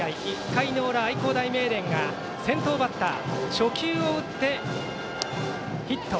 １回の裏、愛工大名電が先頭バッター初球を打ってヒット。